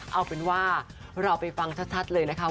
เอาเป็นว่าเราไปฟังชัดเลยนะคะ